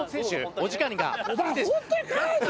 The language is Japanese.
お時間が。